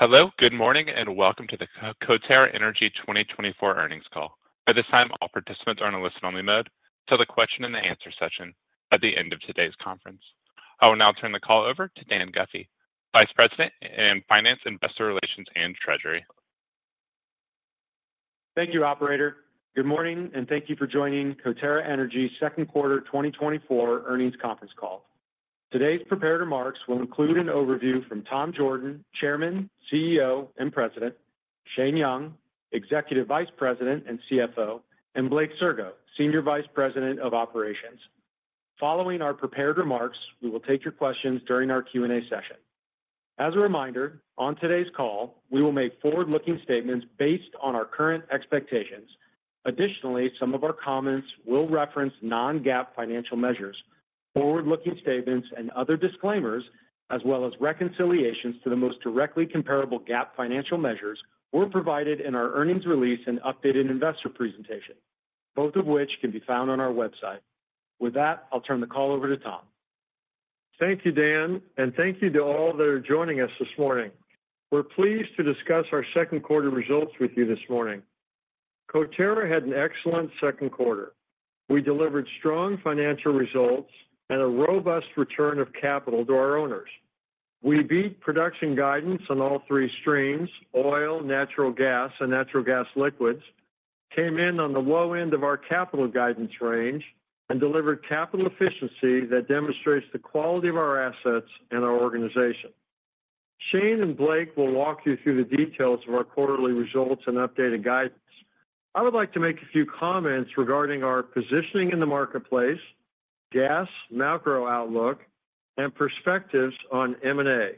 Hello, good morning, and welcome to the Coterra Energy 2024 earnings call. At this time, all participants are in a listen-only mode till the question and answer session at the end of today's conference. I will now turn the call over to Dan Guffey, Vice President in Finance, Investor Relations, and Treasury. Thank you, operator. Good morning, and thank you for joining Coterra Energy's second quarter 2024 earnings conference call. Today's prepared remarks will include an overview from Tom Jorden, Chairman, CEO, and President, Shane Young, Executive Vice President and CFO, and Blake Sirgo, Senior Vice President of Operations. Following our prepared remarks, we will take your questions during our Q&A session. As a reminder, on today's call, we will make forward-looking statements based on our current expectations. Additionally, some of our comments will reference non-GAAP financial measures, forward-looking statements and other disclaimers, as well as reconciliations to the most directly comparable GAAP financial measures were provided in our earnings release and updated investor presentation, both of which can be found on our website. With that, I'll turn the call over to Tom. Thank you, Dan, and thank you to all that are joining us this morning. We're pleased to discuss our second quarter results with you this morning. Coterra had an excellent second quarter. We delivered strong financial results and a robust return of capital to our owners. We beat production guidance on all three streams, oil, natural gas, and natural gas liquids, came in on the low end of our capital guidance range and delivered capital efficiency that demonstrates the quality of our assets and our organization. Shane and Blake will walk you through the details of our quarterly results and updated guidance. I would like to make a few comments regarding our positioning in the marketplace, gas, macro outlook, and perspectives on M&A.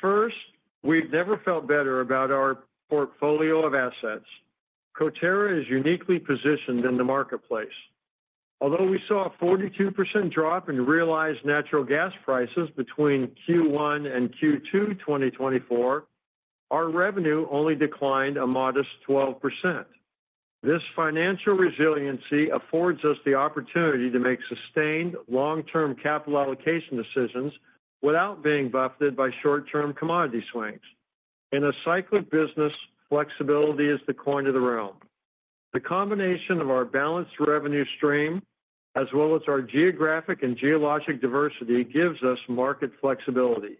First, we've never felt better about our portfolio of assets. Coterra is uniquely positioned in the marketplace. Although we saw a 42% drop in realized natural gas prices between Q1 and Q2 2024, our revenue only declined a modest 12%. This financial resiliency affords us the opportunity to make sustained long-term capital allocation decisions without being buffeted by short-term commodity swings. In a cyclic business, flexibility is the coin of the realm. The combination of our balanced revenue stream, as well as our geographic and geologic diversity, gives us market flexibility.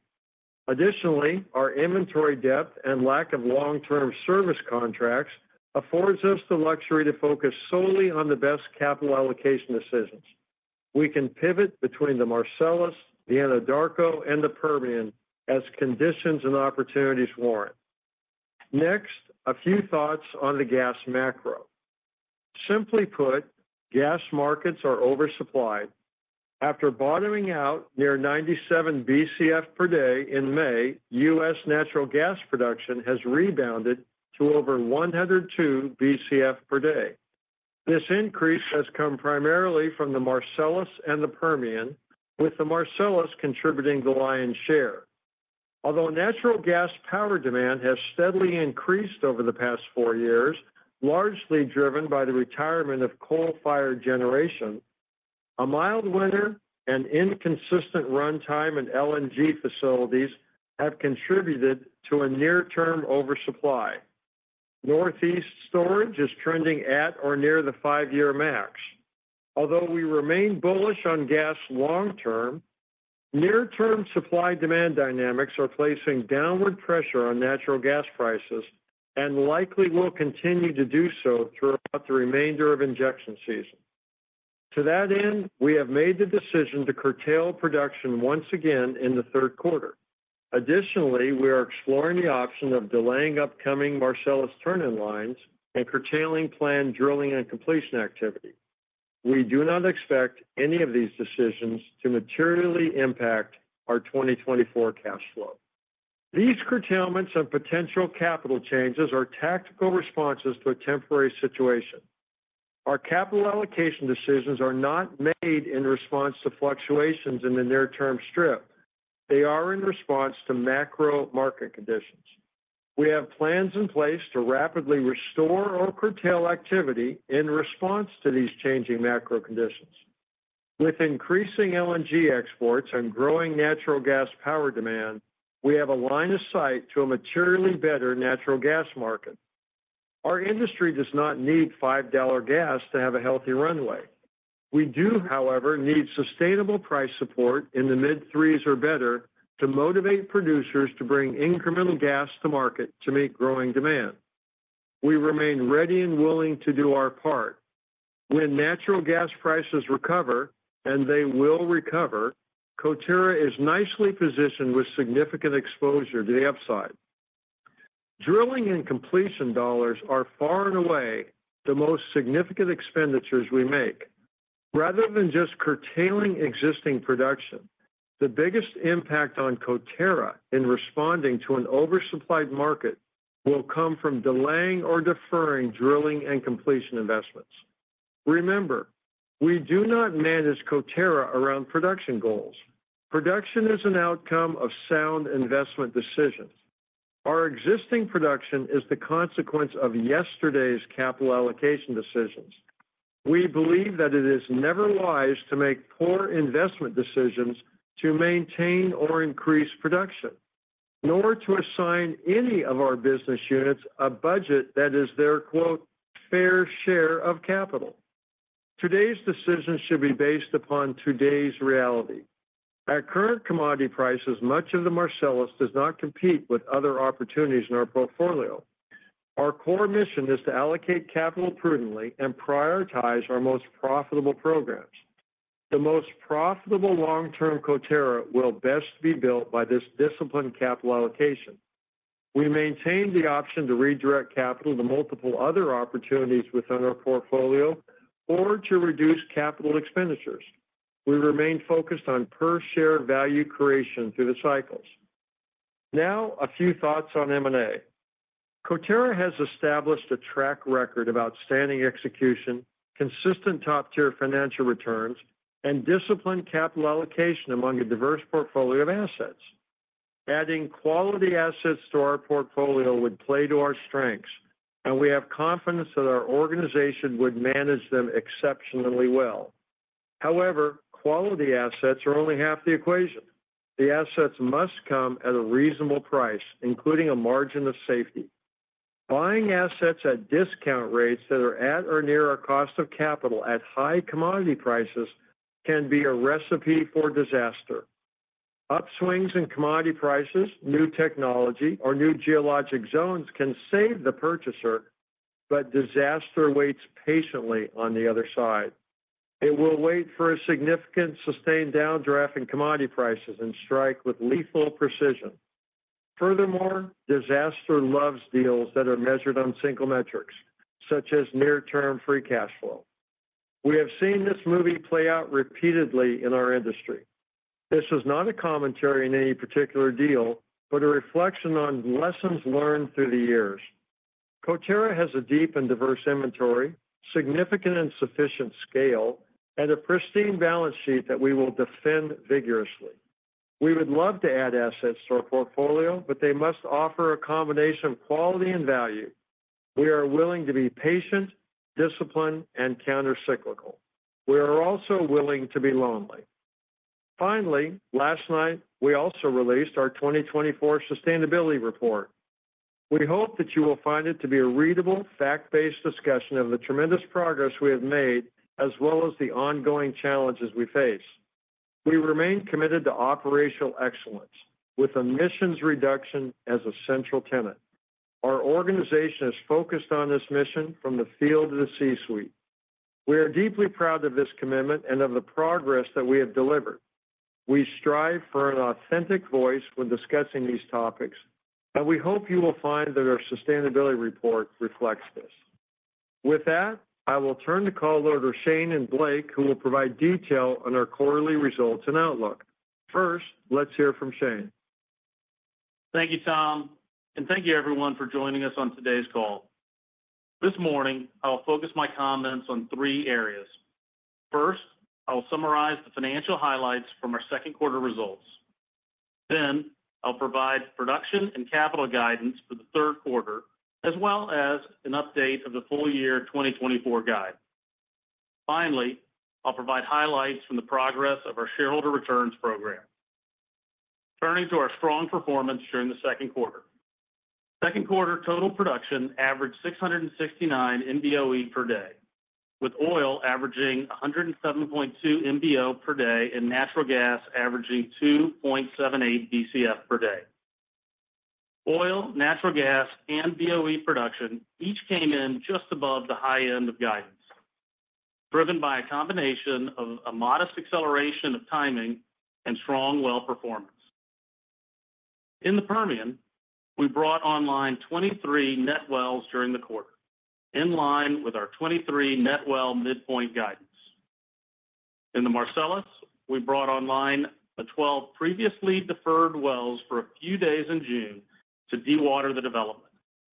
Additionally, our inventory depth and lack of long-term service contracts affords us the luxury to focus solely on the best capital allocation decisions. We can pivot between the Marcellus, the Anadarko, and the Permian as conditions and opportunities warrant. Next, a few thoughts on the gas macro. Simply put, gas markets are oversupplied. After bottoming out near 97 Bcf per day in May, U.S. natural gas production has rebounded to over 102 Bcf per day. This increase has come primarily from the Marcellus and the Permian, with the Marcellus contributing the lion's share. Although natural gas power demand has steadily increased over the past four years, largely driven by the retirement of coal-fired generation, a mild winter and inconsistent runtime in LNG facilities have contributed to a near-term oversupply. Northeast storage is trending at or near the five-year max. Although we remain bullish on gas long term, near-term supply-demand dynamics are placing downward pressure on natural gas prices and likely will continue to do so throughout the remainder of injection season. To that end, we have made the decision to curtail production once again in the third quarter. Additionally, we are exploring the option of delaying upcoming Marcellus turn-in lines and curtailing planned drilling and completion activity. We do not expect any of these decisions to materially impact our 2024 cash flow. These curtailments and potential capital changes are tactical responses to a temporary situation. Our capital allocation decisions are not made in response to fluctuations in the near-term strip. They are in response to macro market conditions. We have plans in place to rapidly restore or curtail activity in response to these changing macro conditions. With increasing LNG exports and growing natural gas power demand, we have a line of sight to a materially better natural gas market. Our industry does not need $5 gas to have a healthy runway. We do, however, need sustainable price support in the mid-$3s or better to motivate producers to bring incremental gas to market to meet growing demand. We remain ready and willing to do our part. When natural gas prices recover, and they will recover, Coterra is nicely positioned with significant exposure to the upside. Drilling and completion dollars are far and away the most significant expenditures we make. Rather than just curtailing existing production, the biggest impact on Coterra in responding to an oversupplied market will come from delaying or deferring drilling and completion investments. Remember, we do not manage Coterra around production goals. Production is an outcome of sound investment decisions. Our existing production is the consequence of yesterday's capital allocation decisions.... We believe that it is never wise to make poor investment decisions to maintain or increase production, nor to assign any of our business units a budget that is their, quote, "fair share of capital." Today's decision should be based upon today's reality. At current commodity prices, much of the Marcellus does not compete with other opportunities in our portfolio. Our core mission is to allocate capital prudently and prioritize our most profitable programs. The most profitable long-term Coterra will best be built by this disciplined capital allocation. We maintain the option to redirect capital to multiple other opportunities within our portfolio or to reduce capital expenditures. We remain focused on per-share value creation through the cycles. Now, a few thoughts on M&A. Coterra has established a track record of outstanding execution, consistent top-tier financial returns, and disciplined capital allocation among a diverse portfolio of assets. Adding quality assets to our portfolio would play to our strengths, and we have confidence that our organization would manage them exceptionally well. However, quality assets are only half the equation. The assets must come at a reasonable price, including a margin of safety. Buying assets at discount rates that are at or near our cost of capital at high commodity prices can be a recipe for disaster. Upswings in commodity prices, new technology, or new geologic zones can save the purchaser, but disaster waits patiently on the other side. It will wait for a significant sustained downdraft in commodity prices and strike with lethal precision. Furthermore, disaster loves deals that are measured on single metrics, such as near-term free cash flow. We have seen this movie play out repeatedly in our industry. This is not a commentary on any particular deal, but a reflection on lessons learned through the years. Coterra has a deep and diverse inventory, significant and sufficient scale, and a pristine balance sheet that we will defend vigorously. We would love to add assets to our portfolio, but they must offer a combination of quality and value. We are willing to be patient, disciplined, and countercyclical. We are also willing to be lonely. Finally, last night, we also released our 2024 sustainability report. We hope that you will find it to be a readable, fact-based discussion of the tremendous progress we have made, as well as the ongoing challenges we face. We remain committed to operational excellence, with emissions reduction as a central tenet. Our organization is focused on this mission from the field to the C-suite. We are deeply proud of this commitment and of the progress that we have delivered. We strive for an authentic voice when discussing these topics, and we hope you will find that our sustainability report reflects this. With that, I will turn the call over to Shane and Blake, who will provide detail on our quarterly results and outlook. First, let's hear from Shane. Thank you, Tom, and thank you everyone for joining us on today's call. This morning, I will focus my comments on three areas. First, I will summarize the financial highlights from our second quarter results. Then, I'll provide production and capital guidance for the third quarter, as well as an update of the full year 2024 guide. Finally, I'll provide highlights from the progress of our shareholder returns program. Turning to our strong performance during the second quarter. Second quarter total production averaged 669 MBOE per day, with oil averaging 107.2 MBO per day, and natural gas averaging 2.78 BCF per day. Oil, natural gas, and BOE production each came in just above the high end of guidance, driven by a combination of a modest acceleration of timing and strong well performance. In the Permian, we brought online 23 net wells during the quarter, in line with our 23 net well midpoint guidance. In the Marcellus, we brought online 12 previously deferred wells for a few days in June to dewater the development,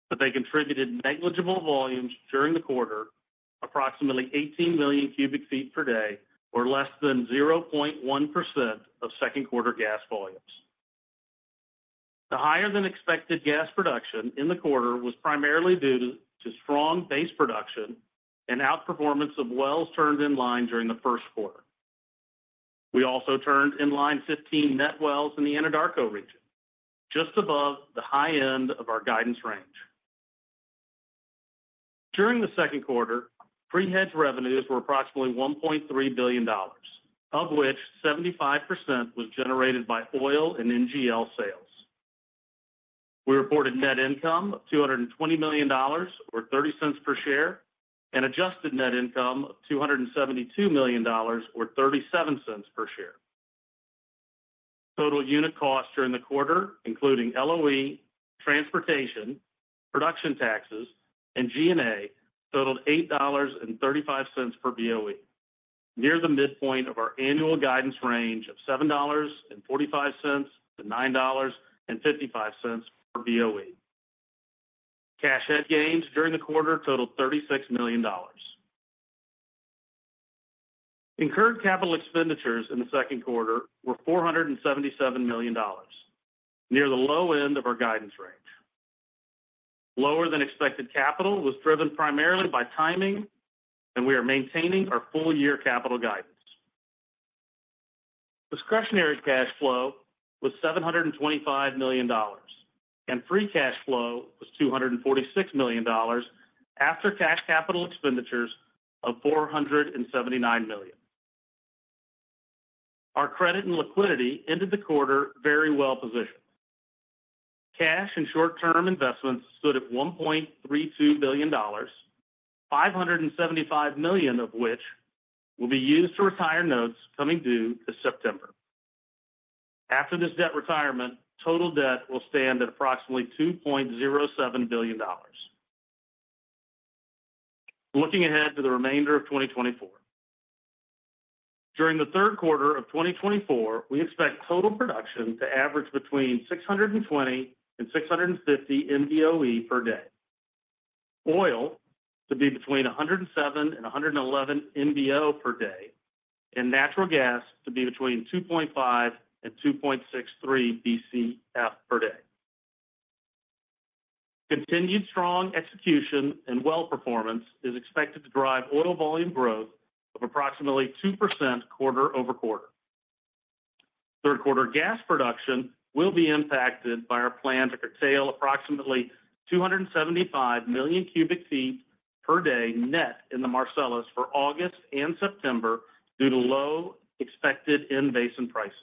but they contributed negligible volumes during the quarter, approximately 18 million cubic feet per day, or less than 0.1% of second quarter gas volumes. The higher-than-expected gas production in the quarter was primarily due to strong base production and outperformance of wells turned in line during the first quarter. We also turned in line 15 net wells in the Anadarko region, just above the high end of our guidance range. During the second quarter, pre-hedge revenues were approximately $1.3 billion, of which 75% was generated by oil and NGL sales. We reported net income of $220 million, or $0.30 per share, and adjusted net income of $272 million, or $0.37 per share. Total unit costs during the quarter, including LOE, transportation, production taxes, and G&A, totaled $8.35 per BOE, near the midpoint of our annual guidance range of $7.45-$9.55 per BOE. Cash hedge gains during the quarter totaled $36 million.... Incurred capital expenditures in the second quarter were $477 million, near the low end of our guidance range. Lower than expected capital was driven primarily by timing, and we are maintaining our full-year capital guidance. Discretionary cash flow was $725 million, and free cash flow was $246 million after tax capital expenditures of $479 million. Our credit and liquidity ended the quarter very well-positioned. Cash and short-term investments stood at $1.32 billion, $575 million of which will be used to retire notes coming due this September. After this debt retirement, total debt will stand at approximately $2.07 billion. Looking ahead to the remainder of 2024. During the third quarter of 2024, we expect total production to average between 620 and 650 MBOE per day, oil to be between 107 and 111 MBO per day, and natural gas to be between 2.5 and 2.63 Bcf per day. Continued strong execution and well performance is expected to drive oil volume growth of approximately 2% quarter-over-quarter. Third quarter gas production will be impacted by our plan to curtail approximately 275 million cubic feet per day net in the Marcellus for August and September due to low expected in-basin pricing.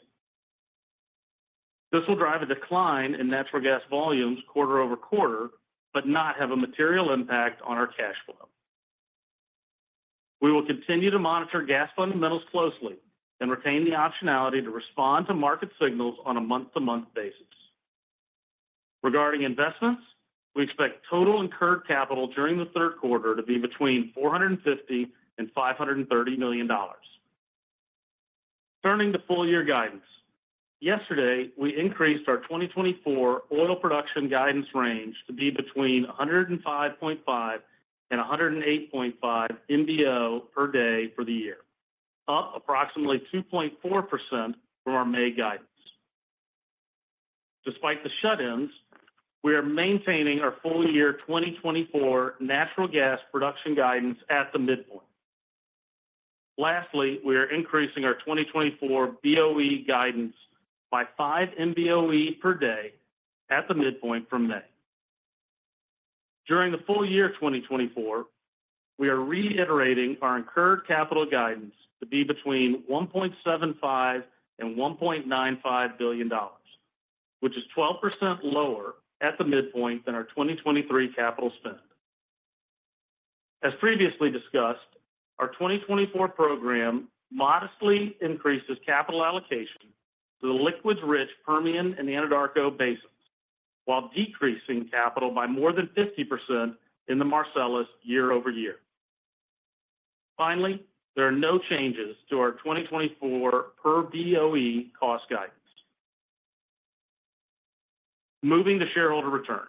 This will drive a decline in natural gas volumes quarter-over-quarter, but not have a material impact on our cash flow. We will continue to monitor gas fundamentals closely and retain the optionality to respond to market signals on a month-to-month basis. Regarding investments, we expect total incurred capital during the third quarter to be between $450 million and $530 million. Turning to full-year guidance. Yesterday, we increased our 2024 oil production guidance range to be between 105.5 and 108.5 MBO per day for the year, up approximately 2.4% from our May guidance. Despite the shut-ins, we are maintaining our full-year 2024 natural gas production guidance at the midpoint. Lastly, we are increasing our 2024 BOE guidance by 5 MBOE per day at the midpoint from May. During the full year 2024, we are reiterating our incurred capital guidance to be between $1.75 billion and $1.95 billion, which is 12% Lower at the midpoint than our 2023 capital spend. As previously discussed, our 2024 program modestly increases capital allocation to the liquids-rich Permian and the Anadarko Basin, while decreasing capital by more than 50% in the Marcellus year-over-year. Finally, there are no changes to our 2024 per BOE cost guidance. Moving to shareholder returns.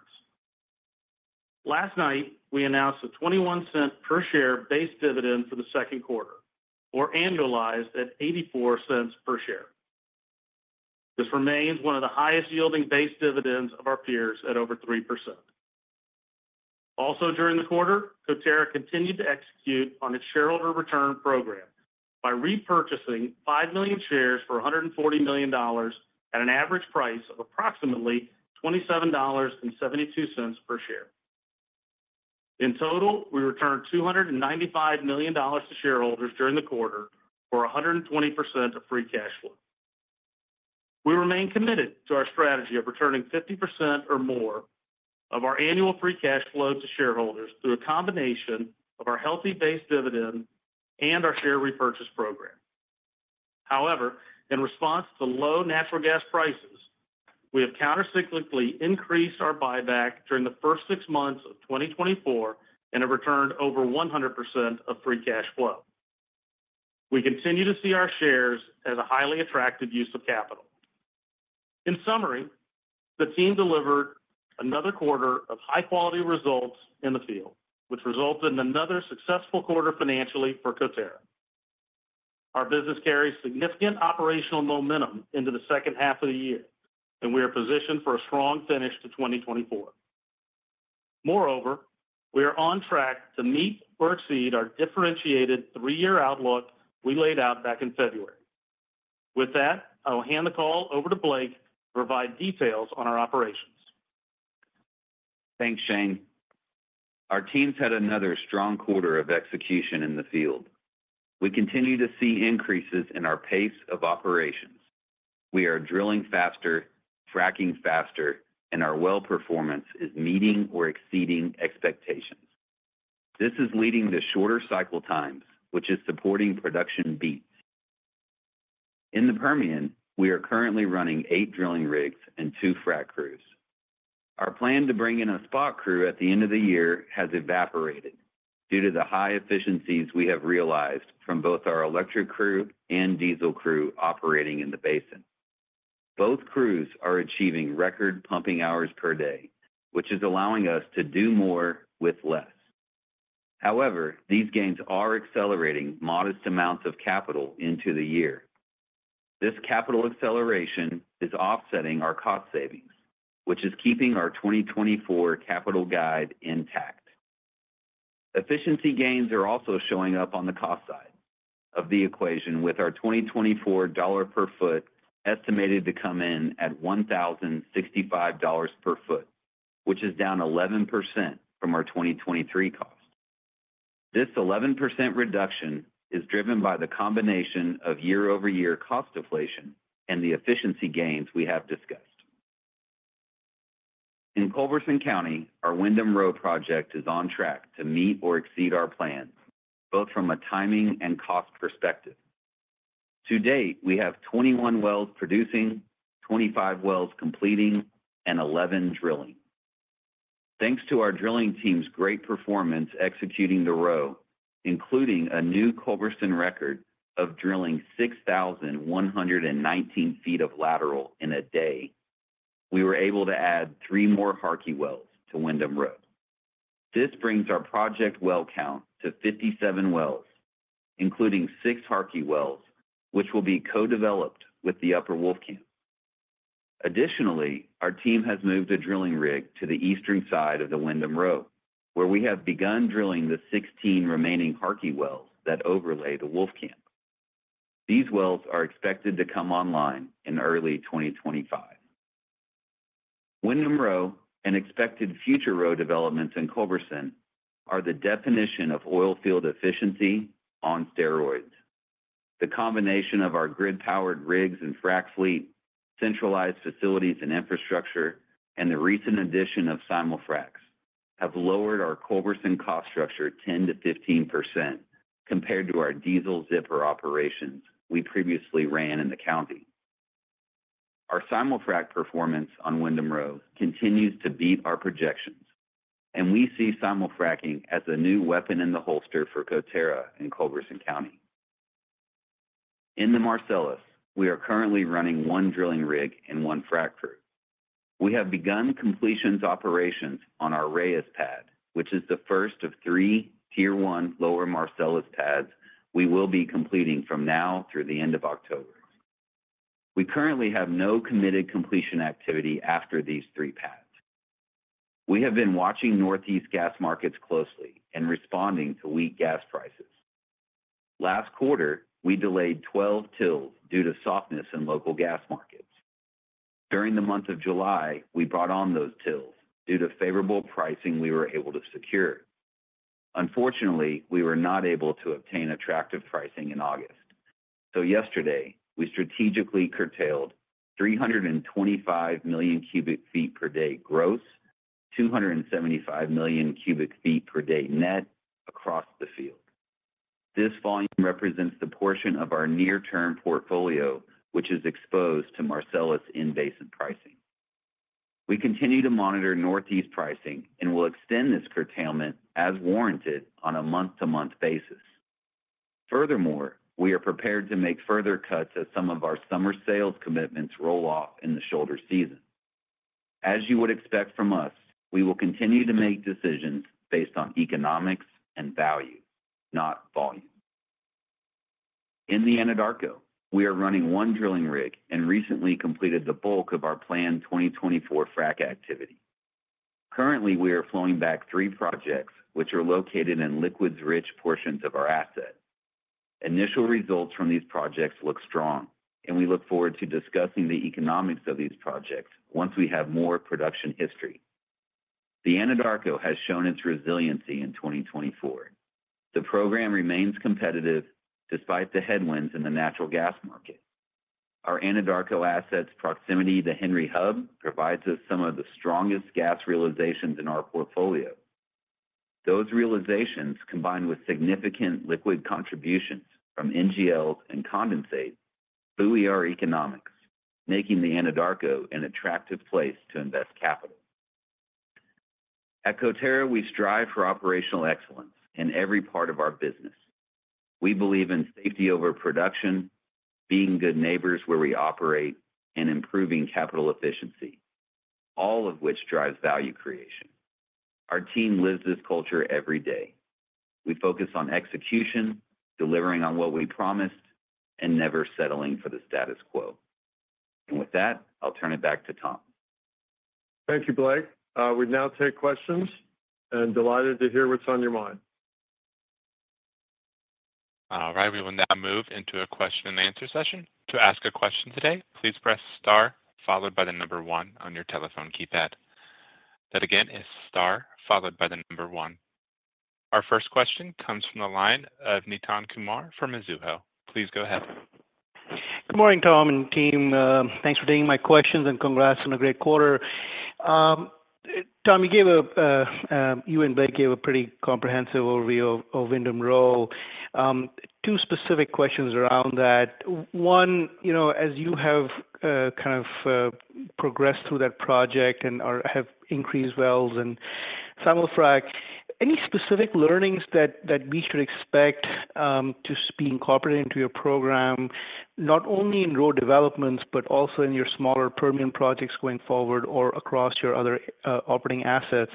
Last night, we announced a $0.21 per share base dividend for the second quarter, or annualized at $0.84 per share. This remains one of the highest yielding base dividends of our peers at over 3%. Also, during the quarter, Coterra continued to execute on its shareholder return program by repurchasing 5 million shares for $140 million at an average price of approximately $27.72 per share. In total, we returned $295 million to shareholders during the quarter for 120% of free cash flow. We remain committed to our strategy of returning 50% or more of our annual free cash flow to shareholders through a combination of our healthy base dividend and our share repurchase program. However, in response to low natural gas prices, we have countercyclically increased our buyback during the first six months of 2024 and have returned over 100% of free cash flow. We continue to see our shares as a highly attractive use of capital. In summary, the team delivered another quarter of high-quality results in the field, which resulted in another successful quarter financially for Coterra. Our business carries significant operational momentum into the second half of the year, and we are positioned for a strong finish to 2024. Moreover, we are on track to meet or exceed our differentiated three-year outlook we laid out back in February. With that, I will hand the call over to Blake to provide details on our operations. Thanks, Shane. Our teams had another strong quarter of execution in the field. We continue to see increases in our pace of operations. We are drilling faster, fracing faster, and our well performance is meeting or exceeding expectations. This is leading to shorter cycle times, which is supporting production beats. In the Permian, we are currently running 8 drilling rigs and 2 frac crews. Our plan to bring in a spot crew at the end of the year has evaporated due to the high efficiencies we have realized from both our electric crew and diesel crew operating in the basin. Both crews are achieving record pumping hours per day, which is allowing us to do more with less. However, these gains are accelerating modest amounts of capital into the year. This capital acceleration is offsetting our cost savings, which is keeping our 2024 capital guide intact. Efficiency gains are also showing up on the cost side of the equation, with our 2024 dollars per foot estimated to come in at $1,065 per foot, which is down 11% from our 2023 cost. This 11% reduction is driven by the combination of year-over-year cost deflation and the efficiency gains we have discussed. In Culberson County, our Windham Row project is on track to meet or exceed our plans, both from a timing and cost perspective. To date, we have 21 wells producing, 25 wells completing, and 11 drilling. Thanks to our drilling team's great performance executing the row, including a new Culberson record of drilling 6,119 feet of lateral in a day, we were able to add three more Harkey wells to Windham Row. This brings our project well count to 57 wells, including six Harkey wells, which will be co-developed with the Upper Wolfcamp. Additionally, our team has moved a drilling rig to the eastern side of the Windham Row, where we have begun drilling the 16 remaining Harkey wells that overlay the Wolfcamp. These wells are expected to come online in early 2025. Windham Row and expected future row developments in Culberson are the definition of oil field efficiency on steroids. The combination of our grid-powered rigs and frac fleet, centralized facilities and infrastructure, and the recent addition of simul-frac, have lowered our Culberson cost structure 10%-15% compared to our diesel zipper operations we previously ran in the county. Our simul-frac performance on Windham Row continues to beat our projections, and we see simul-fracing as a new weapon in the holster for Coterra in Culberson County. In the Marcellus, we are currently running 1 drilling rig and 1 frac crew. We have begun completions operations on our Rayias pad, which is the first of 3 Tier One Lower Marcellus pads we will be completing from now through the end of October. We currently have no committed completion activity after these 3 pads. We have been watching Northeast gas markets closely and responding to weak gas prices. Last quarter, we delayed 12 TILs due to softness in local gas markets. During the month of July, we brought on those TILs. Due to favorable pricing, we were able to secure. Unfortunately, we were not able to obtain attractive pricing in August. So yesterday, we strategically curtailed 325 million cubic feet per day gross, 275 million cubic feet per day net across the field. This volume represents the portion of our near-term portfolio, which is exposed to Marcellus in-basin pricing. We continue to monitor Northeast pricing and will extend this curtailment as warranted on a month-to-month basis. Furthermore, we are prepared to make further cuts as some of our summer sales commitments roll off in the shoulder season. As you would expect from us, we will continue to make decisions based on economics and value, not volume. In the Anadarko, we are running one drilling rig and recently completed the bulk of our planned 2024 frac activity. Currently, we are flowing back three projects which are located in liquids-rich portions of our asset. Initial results from these projects look strong, and we look forward to discussing the economics of these projects once we have more production history. The Anadarko has shown its resiliency in 2024. The program remains competitive despite the headwinds in the natural gas market. Our Anadarko asset's proximity to Henry Hub provides us some of the strongest gas realizations in our portfolio. Those realizations, combined with significant liquid contributions from NGL and condensate, buoy our economics, making the Anadarko an attractive place to invest capital. At Coterra, we strive for operational excellence in every part of our business. We believe in safety over production, being good neighbors where we operate, and improving capital efficiency, all of which drives value creation. Our team lives this culture every day. We focus on execution, delivering on what we promise, and never settling for the status quo. With that, I'll turn it back to Tom. Thank you, Blake. We now take questions and delighted to hear what's on your mind. All right, we will now move into a question and answer session. To ask a question today, please press star followed by the number one on your telephone keypad. That again is star followed by the number one. Our first question comes from the line of Nitin Kumar from Mizuho. Please go ahead. Good morning, Tom and team. Thanks for taking my questions, and congrats on a great quarter. Tom, you gave a pretty comprehensive overview of Windham Row. Two specific questions around that. One, you know, as you have kind of progressed through that project and have increased wells and simul-frac, any specific learnings that we should expect to be incorporated into your program, not only in Row developments, but also in your smaller Permian projects going forward or across your other operating assets?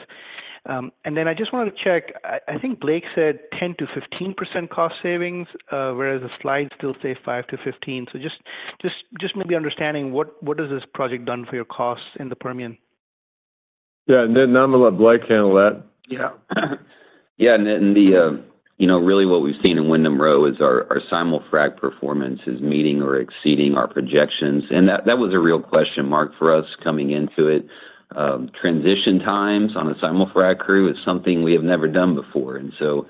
And then I just wanted to check, I think Blake said 10%-15% cost savings, whereas the slides still say 5%-15%. So just maybe understanding what has this project done for your costs in the Permian? Yeah, Nitin, I'm gonna let Blake handle that. Yeah. Yeah, Nitin, the, you know, really what we've seen in Windham Row is our, our simul-frac performance is meeting or exceeding our projections, and that, that was a real question mark for us coming into it. Transition times on a simul-frac crew is something we have never done before, and so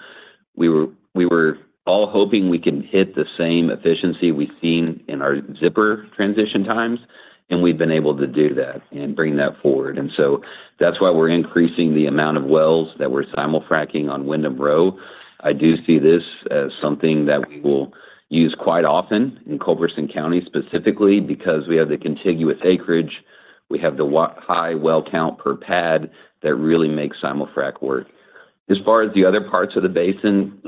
we were, we were all hoping we can hit the same efficiency we've seen in our zipper transition times, and we've been able to do that and bring that forward. And so that's why we're increasing the amount of wells that we're simul-fracing on Windham Row. I do see this as something that we will use quite often in Culberson County, specifically because we have the contiguous acreage, we have the high well count per pad that really makes simul-frac work. As far as the other parts of the basin,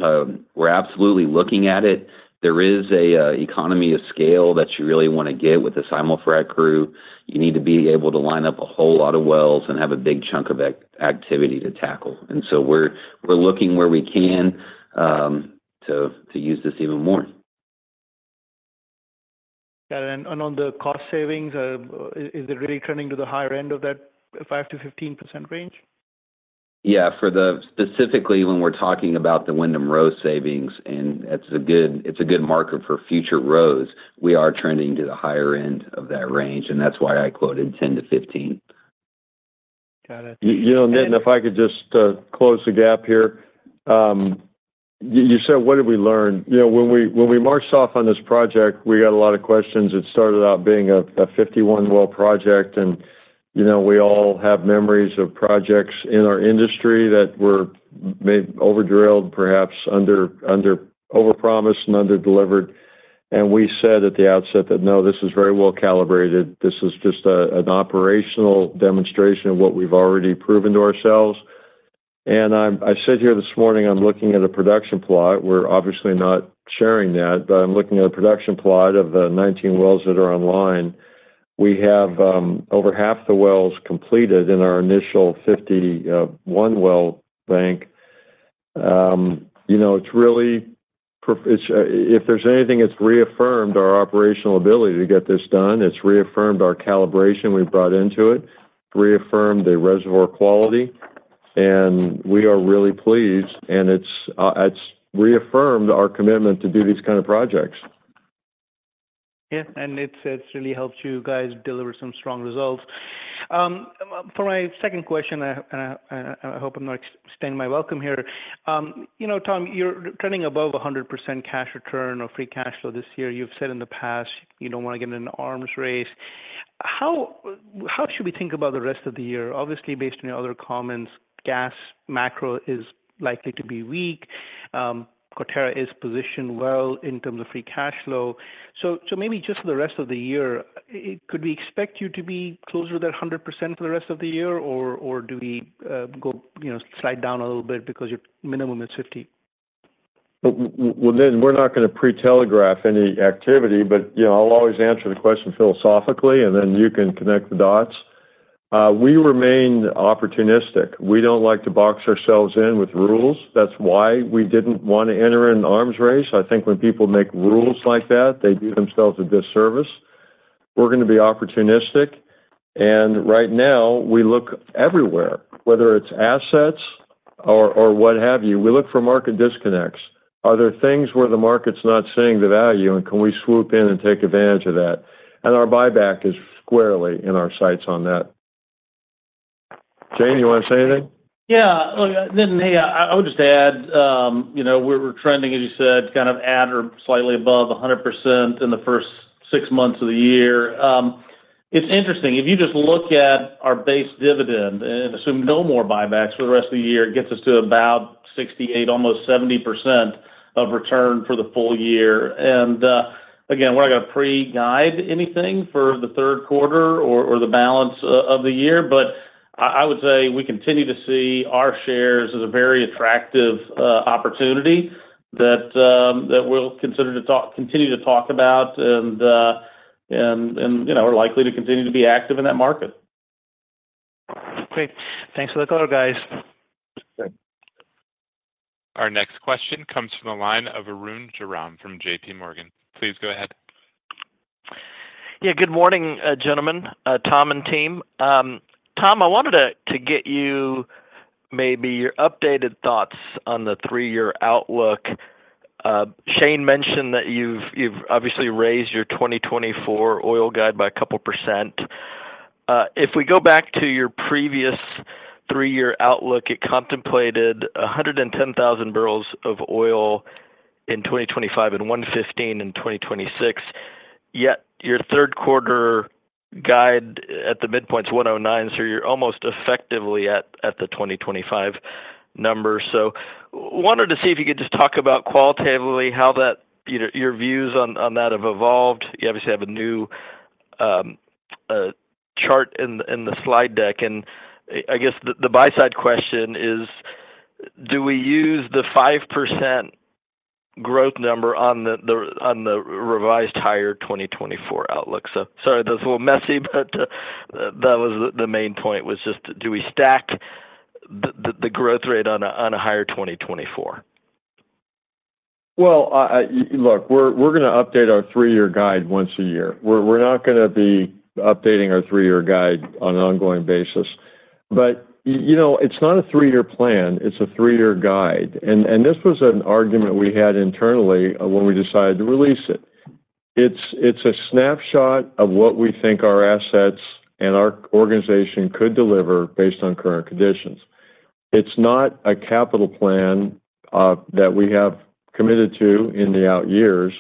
we're absolutely looking at it. There is a economy of scale that you really wanna get with the simul-frac crew. You need to be able to line up a whole lot of wells and have a big chunk of activity to tackle. And so we're looking where we can to use this even more. On the cost savings, is it really turning to the higher end of that 5%-15% range? Yeah, specifically, when we're talking about the Windham Row savings, and it's a good marker for future rows, we are trending to the higher end of that range, and that's why I quoted 10-15. Got it. You know, Nitin, if I could just close the gap here. You said, what did we learn? You know, when we marched off on this project, we got a lot of questions. It started out being a 51-well project, and, you know, we all have memories of projects in our industry that were overdrilled, perhaps under, overpromised and underdelivered. And we said at the outset that, "No, this is very well calibrated. This is just an operational demonstration of what we've already proven to ourselves." I sit here this morning, I'm looking at a production plot. We're obviously not sharing that, but I'm looking at a production plot of the 19 wells that are online. We have over half the wells completed in our initial 51-well bank. You know, it's really. It's if there's anything that's reaffirmed our operational ability to get this done. It's reaffirmed our calibration we've brought into it, reaffirmed the reservoir quality, and we are really pleased, and it's reaffirmed our commitment to do these kind of projects. Yeah, and it's really helped you guys deliver some strong results. For my second question, I hope I'm not outstaying my welcome here. You know, Tom, you're trending above 100% cash return or free cash flow this year. You've said in the past, you don't wanna get in an arms race. How, how should we think about the rest of the year? Obviously, based on your other comments, gas macro is likely to be weak. Coterra is positioned well in terms of free cash flow. So maybe just for the rest of the year, could we expect you to be closer to that 100% for the rest of the year, or do we go, you know, slide down a little bit because your minimum is 50%? Well, Nitin, we're not gonna pre-telegraph any activity, but, you know, I'll always answer the question philosophically, and then you can connect the dots. We remain opportunistic. We don't like to box ourselves in with rules. That's why we didn't wanna enter an arms race. I think when people make rules like that, they do themselves a disservice. We're gonna be opportunistic, and right now, we look everywhere, whether it's assets or, or what have you. We look for market disconnects. Are there things where the market's not seeing the value, and can we swoop in and take advantage of that? And our buyback is squarely in our sights on that. Shane, you wanna say anything? Yeah. Look, Nitin, hey, I would just add, you know, we're trending, as you said, kind of at or slightly above 100% in the first six months of the year. It's interesting, if you just look at our base dividend and assume no more buybacks for the rest of the year, it gets us to about 68, almost 70% of return for the full year. And, again, we're not gonna pre-guide anything for the third quarter or the balance of the year, but I would say we continue to see our shares as a very attractive opportunity that we'll consider to continue to talk about, and, you know, are likely to continue to be active in that market. Great. Thanks for the call, guys. Okay. Our next question comes from the line of Arun Jayaram from J.P. Morgan. Please go ahead. Yeah, good morning, gentlemen, Tom and team. Tom, I wanted to get you maybe your updated thoughts on the three-year outlook. Shane mentioned that you've obviously raised your 2024 oil guide by a couple %. If we go back to your previous three-year outlook, it contemplated 110,000 barrels of oil in 2025 and 115 in 2026, yet your third quarter guide at the midpoint is 109, so you're almost effectively at the 2025 number. So wanted to see if you could just talk about qualitatively how that, you know, your views on that have evolved. You obviously have a new chart in the, in the slide deck, and I, I guess the, the buy-side question is: Do we use the 5% growth number on the, the, on the revised higher 2024 outlook? So sorry, that's a little messy, but, that was the, the main point, was just: Do we stack the, the, the growth rate on a, on a higher 2024? Well, look, we're gonna update our three-year guide once a year. We're not gonna be updating our three-year guide on an ongoing basis. But you know, it's not a three-year plan, it's a three-year guide. And this was an argument we had internally when we decided to release it. It's a snapshot of what we think our assets and our organization could deliver based on current conditions. It's not a capital plan that we have committed to in the out years.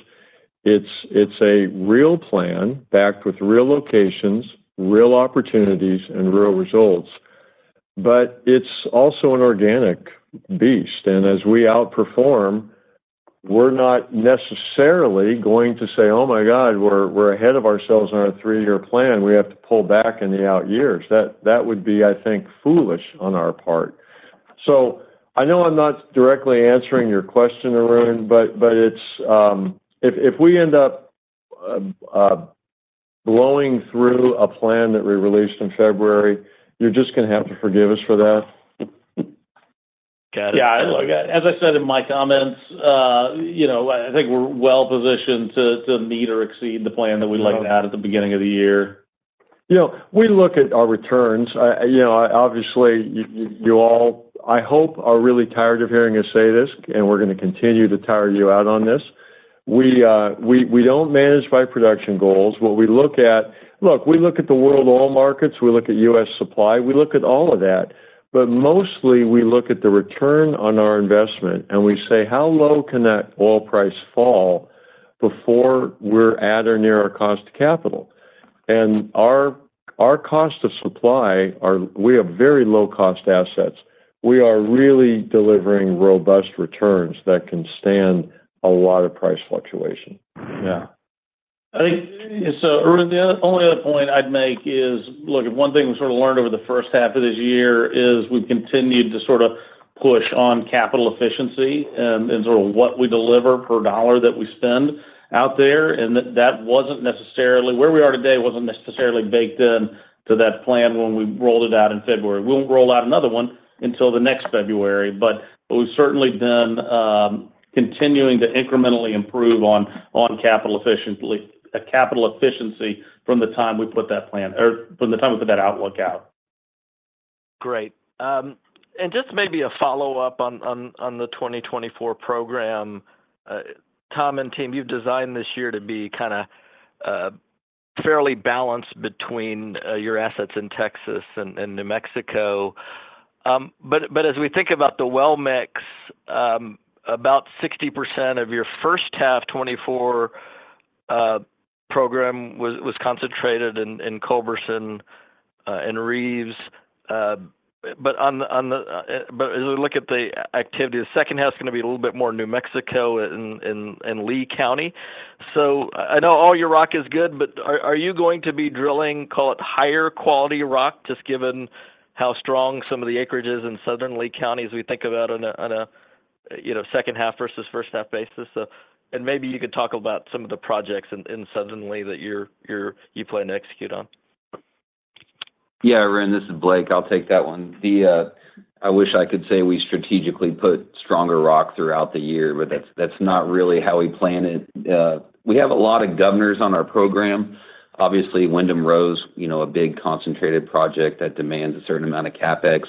It's a real plan backed with real locations, real opportunities, and real results, but it's also an organic beast. And as we outperform, we're not necessarily going to say, "Oh, my God, we're ahead of ourselves in our three-year plan. We have to pull back in the out years." That would be, I think, foolish on our part. So I know I'm not directly answering your question, Arun, but it's. If we end up blowing through a plan that we released in February, you're just gonna have to forgive us for that. Got it. Yeah, look, as I said in my comments, you know, I think we're well positioned to meet or exceed the plan that we laid out at the beginning of the year. You know, we look at our returns. You know, obviously, you all, I hope, are really tired of hearing us say this, and we're gonna continue to tire you out on this. We don't manage by production goals. What we look at... Look, we look at the world oil markets, we look at U.S. supply, we look at all of that, but mostly we look at the return on our investment, and we say: How low can that oil price fall before we're at or near our cost to capital? And our cost of supply are, we have very low-cost assets. We are really delivering robust returns that can stand a lot of price fluctuation. Yeah. I think... So, Arun, the only other point I'd make is, look, if one thing we sort of learned over the first half of this year is, we've continued to sorta push on capital efficiency and, and sort of what we deliver per dollar that we spend out there, and that, that wasn't necessarily, where we are today wasn't necessarily baked into that plan when we rolled it out in February. We won't roll out another one until the next February, but we've certainly been continuing to incrementally improve on, on capital efficiency from the time we put that plan, or from the time we put that outlook out. Great. And just maybe a follow-up on the 2024 program. Tom and team, you've designed this year to be kinda fairly balanced between your assets in Texas and New Mexico. But as we think about the well mix, about 60% of your first half 2024 program was concentrated in Culberson and Reeves. But as we look at the activity, the second half is gonna be a little bit more New Mexico in Lea County. So I know all your rock is good, but are you going to be drilling, call it, higher quality rock, just given how strong some of the acreage is in southern Lea County as we think about on a you know, second half versus first half basis? Maybe you could talk about some of the projects in southern Lea that you plan to execute on? Yeah, Arun, this is Blake. I'll take that one. The... I wish I could say we strategically put stronger rock throughout the year, but that's, that's not really how we planned it. We have a lot of governors on our program. Obviously, Windham Row, you know, a big concentrated project that demands a certain amount of CapEx.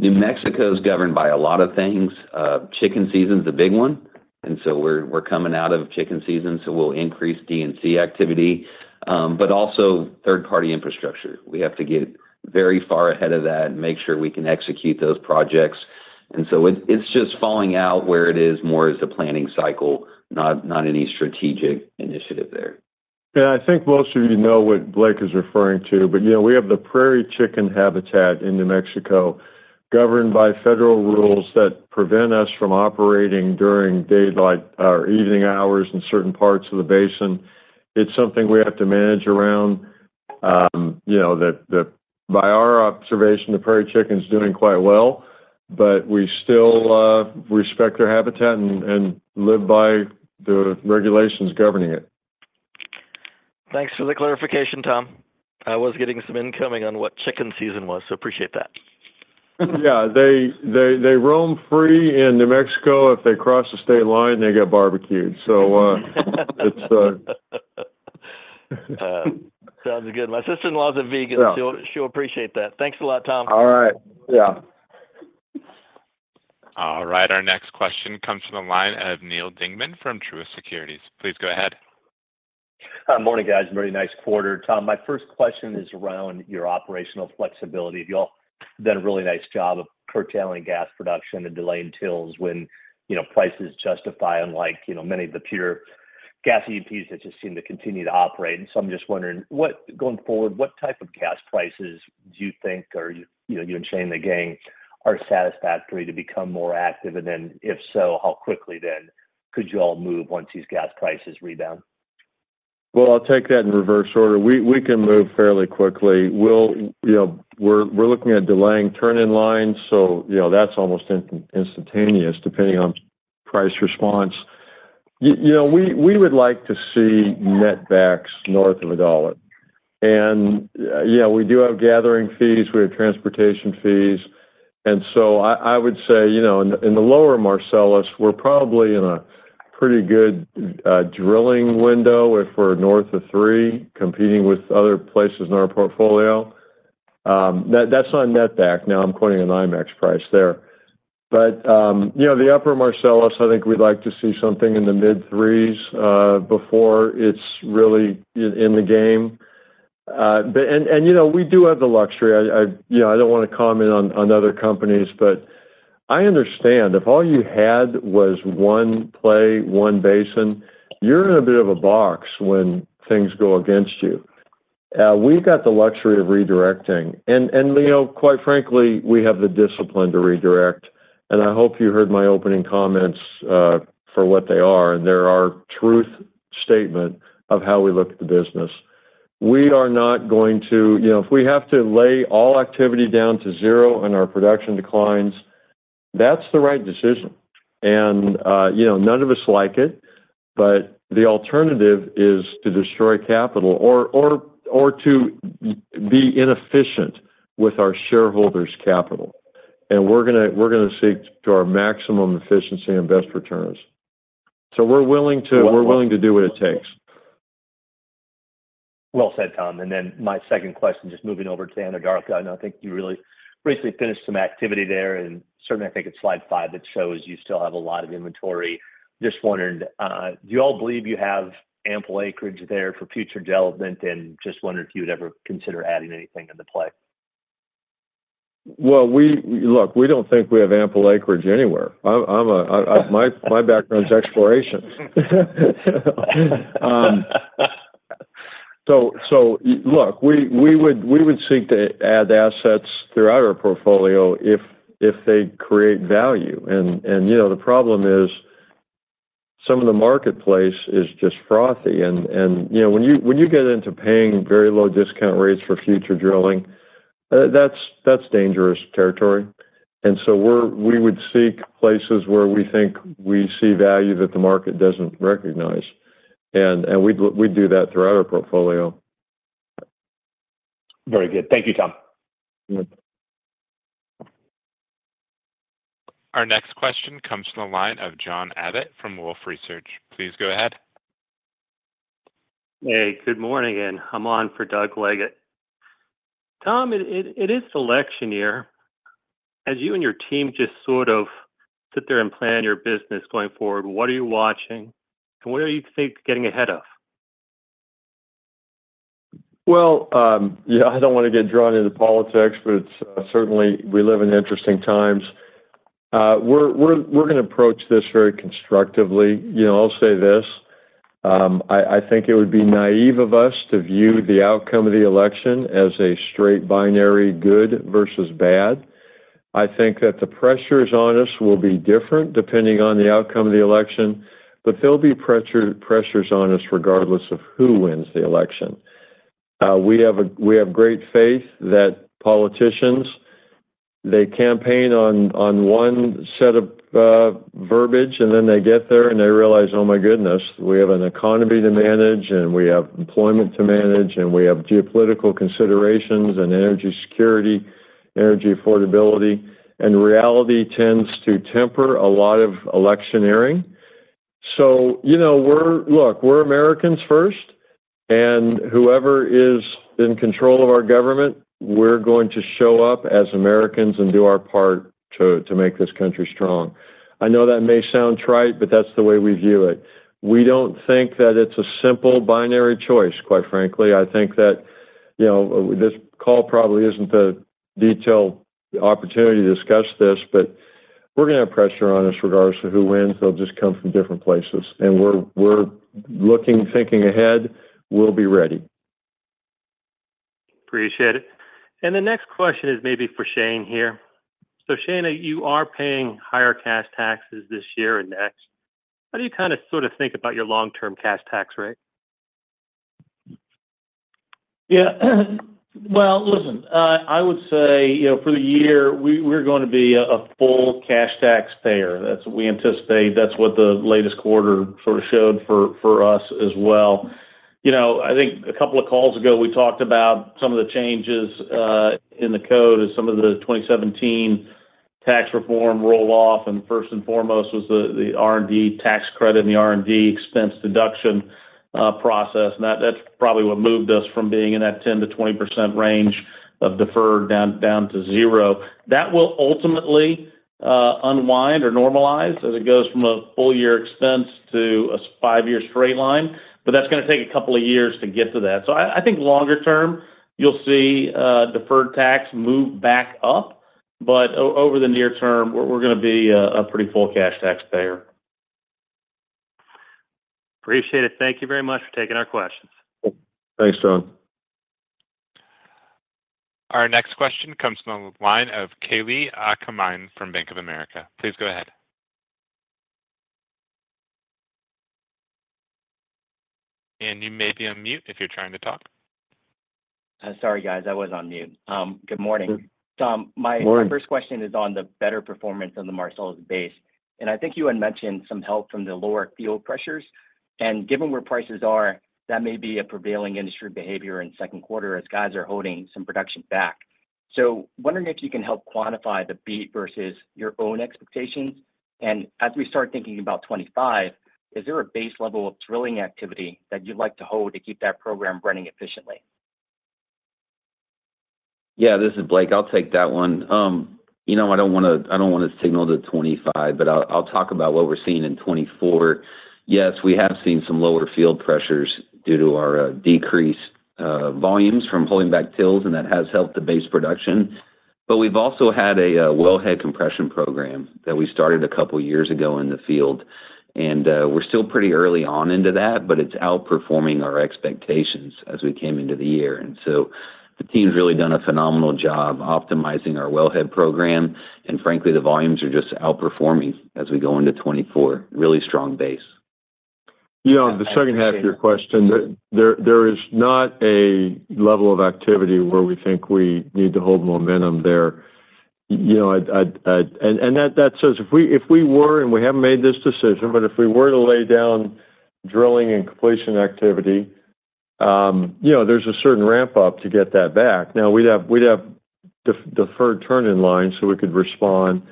New Mexico is governed by a lot of things. Injection season's a big one, and so we're, we're coming out of injection season, so we'll increase D&C activity, but also third-party infrastructure. We have to get very far ahead of that and make sure we can execute those projects. And so it, it's just falling out where it is more as a planning cycle, not, not any strategic initiative there. I think most of you know what Blake is referring to, but, you know, we have the prairie chicken habitat in New Mexico, governed by federal rules that prevent us from operating during daylight or evening hours in certain parts of the basin. It's something we have to manage around. You know, by our observation, the prairie chicken is doing quite well, but we still respect their habitat and live by the regulations governing it. Thanks for the clarification, Tom. I was getting some incoming on what injection season was, so appreciate that. Yeah, they roam free in New Mexico. If they cross the state line, they get barbecued. So, it's... Sounds good. My sister-in-law's a vegan- Yeah... she'll appreciate that. Thanks a lot, Tom. All right. Yeah. All right. Our next question comes from the line of Neal Dingmann from Truist Securities. Please go ahead. Morning, guys. Very nice quarter. Tom, my first question is around your operational flexibility. You all have done a really nice job of curtailing gas production and delaying TILs when, you know, prices justify, unlike, you know, many of the peer gas E&Ps that just seem to continue to operate. And so I'm just wondering, what going forward, what type of gas prices do you think are, you know, you and Shane, the gang, are satisfactory to become more active? And then, if so, how quickly then could you all move once these gas prices rebound? Well, I'll take that in reverse order. We can move fairly quickly. We'll, you know, we're looking at delaying turn-in-line, so, you know, that's almost instantaneous, depending on price response. You know, we would like to see netbacks north of $1. And, yeah, we do have gathering fees, we have transportation fees, and so I would say, you know, in the lower Marcellus, we're probably in a pretty good drilling window if we're north of $3, competing with other places in our portfolio. That's on net back, now I'm quoting a NYMEX price there. But, you know, the Upper Marcellus, I think we'd like to see something in the mid-$3s before it's really in the game. But... And, you know, we do have the luxury. You know, I don't want to comment on other companies, but I understand if all you had was one play, one basin, you're in a bit of a box when things go against you. We've got the luxury of redirecting. And you know, quite frankly, we have the discipline to redirect, and I hope you heard my opening comments for what they are. They're our truth statement of how we look at the business. We are not going to. You know, if we have to lay all activity down to zero and our production declines, that's the right decision. And you know, none of us like it, but the alternative is to destroy capital or to be inefficient with our shareholders' capital. And we're gonna seek to our maximum efficiency and best returns. So we're willing to do what it takes. Well said, Tom. And then my second question, just moving over to Anadarko. I know, I think you really recently finished some activity there, and certainly, I think it's slide 5 that shows you still have a lot of inventory. Just wondering, do you all believe you have ample acreage there for future development? And just wondering if you would ever consider adding anything to the play. Well, look, we don't think we have ample acreage anywhere. My background is exploration. So look, we would seek to add assets throughout our portfolio if they create value. And you know, the problem is, some of the marketplace is just frothy. And you know, when you get into paying very low discount rates for future drilling, that's dangerous territory. And so we would seek places where we think we see value that the market doesn't recognize, and we'd do that throughout our portfolio. Very good. Thank you, Tom. Good. Our next question comes from the line of John Abbott from Wolfe Research. Please go ahead. Hey, good morning, and I'm on for Doug Leggate. Tom, it is election year. As you and your team just sort of sit there and plan your business going forward, what are you watching, and what are you think getting ahead of? Well, yeah, I don't wanna get drawn into politics, but, certainly, we live in interesting times. We're gonna approach this very constructively. You know, I'll say this: I think it would be naive of us to view the outcome of the election as a straight binary, good versus bad. I think that the pressures on us will be different, depending on the outcome of the election, but there'll be pressure, pressures on us, regardless of who wins the election. We have great faith that politicians, they campaign on one set of verbiage, and then they get there, and they realize, "Oh, my goodness, we have an economy to manage, and we have employment to manage, and we have geopolitical considerations and energy security, energy affordability." And reality tends to temper a lot of electioneering. So, you know, we're. Look, we're Americans first, and whoever is in control of our government, we're going to show up as Americans and do our part to make this country strong. I know that may sound trite, but that's the way we view it. We don't think that it's a simple binary choice, quite frankly. I think that, you know, this call probably isn't the detailed opportunity to discuss this, but we're gonna have pressure on us regardless of who wins. They'll just come from different places. We're looking, thinking ahead. We'll be ready. Appreciate it. The next question is maybe for Shane here. Shane, you are paying higher cash taxes this year and next. How do you kinda sorta think about your long-term cash tax rate? Yeah. Well, listen, I would say, you know, for the year, we're gonna be a full cash taxpayer. That's what we anticipate. That's what the latest quarter sorta showed for us as well. You know, I think a couple of calls ago, we talked about some of the changes in the code and some of the 2017 tax reform roll-off, and first and foremost was the R&D tax credit and the R&D expense deduction process. That's probably what moved us from being in that 10%-20% range of deferred down to zero. That will ultimately unwind or normalize as it goes from a full year expense to a five-year straight line, but that's gonna take a couple of years to get to that. So I think longer term, you'll see, deferred tax move back up.... But over the near term, we're gonna be a pretty full cash taxpayer. Appreciate it. Thank you very much for taking our questions. Thanks, John. Our next question comes from the line of Kalei Akamine from Bank of America. Please go ahead. You may be on mute if you're trying to talk. Sorry, guys, I was on mute. Good morning. Good morning. My first question is on the better performance on the Marcellus base, and I think you had mentioned some help from the lower field pressures. And given where prices are, that may be a prevailing industry behavior in second quarter as guys are holding some production back. So wondering if you can help quantify the beat versus your own expectations. And as we start thinking about 2025, is there a base level of drilling activity that you'd like to hold to keep that program running efficiently? Yeah, this is Blake. I'll take that one. You know, I don't wanna, I don't wanna signal to 2025, but I'll talk about what we're seeing in 2024. Yes, we have seen some lower field pressures due to our decreased volumes from holding back TILs, and that has helped the base production. But we've also had a wellhead compression program that we started a couple years ago in the field, and we're still pretty early on into that, but it's outperforming our expectations as we came into the year. And so the team's really done a phenomenal job optimizing our wellhead program, and frankly, the volumes are just outperforming as we go into 2024. Really strong base. Yeah, on the second half of your question, there is not a level of activity where we think we need to hold momentum there. You know, I'd and that says if we were, and we haven't made this decision, but if we were to lay down drilling and completion activity, you know, there's a certain ramp-up to get that back. Now, we'd have deferred turn-in-line so we could respond.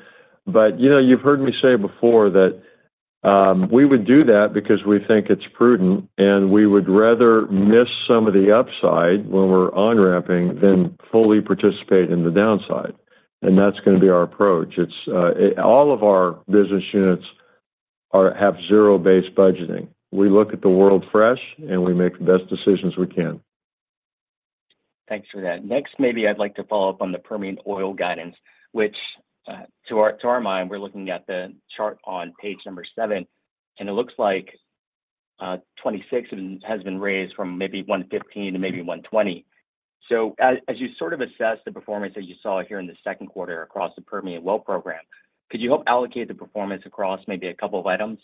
But, you know, you've heard me say before that we would do that because we think it's prudent, and we would rather miss some of the upside when we're on-ramping than fully participate in the downside, and that's gonna be our approach. It's all of our business units are have zero-based budgeting. We look at the world fresh, and we make the best decisions we can. Thanks for that. Next, maybe I'd like to follow up on the Permian Oil guidance, which, to our mind, we're looking at the chart on page 7, and it looks like 26 has been raised from maybe 115 to maybe 120. So as you sort of assess the performance that you saw here in the second quarter across the Permian well program, could you help allocate the performance across maybe a couple of items?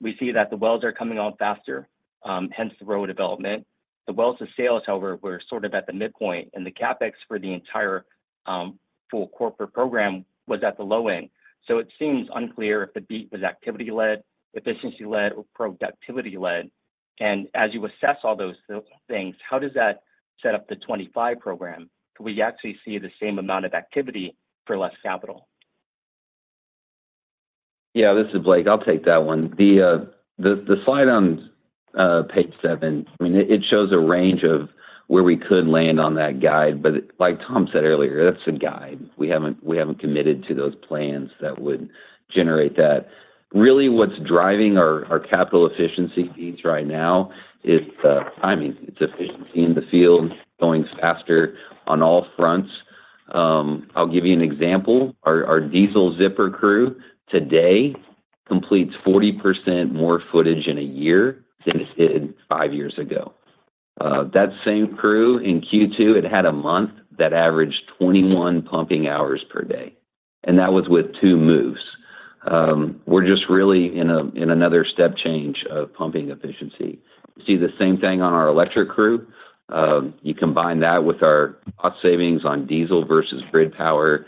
We see that the wells are coming out faster, hence the row development. The wells of sales, however, were sort of at the midpoint, and the CapEx for the entire full corporate program was at the low end. So it seems unclear if the beat was activity-led, efficiency-led, or productivity-led. As you assess all those things, how does that set up the 2025 program? Do we actually see the same amount of activity for less capital? Yeah, this is Blake. I'll take that one. The slide on page 7, I mean, it shows a range of where we could land on that guide, but like Tom said earlier, that's a guide. We haven't committed to those plans that would generate that. Really, what's driving our capital efficiency beats right now is timing. It's efficiency in the field, going faster on all fronts. I'll give you an example. Our diesel zipper crew today completes 40% more footage in a year than it did 5 years ago. That same crew in Q2, it had a month that averaged 21 pumping hours per day, and that was with 2 moves. We're just really in another step change of pumping efficiency. See the same thing on our electric crew. You combine that with our cost savings on diesel versus grid power,